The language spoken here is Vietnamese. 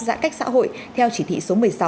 giãn cách xã hội theo chỉ thị số một mươi sáu